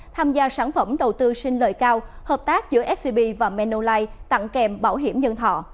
tham gia sản phẩm đầu tư sinh lợi cao hợp tác giữa scb và menolite tặng kèm bảo hiểm nhân thọ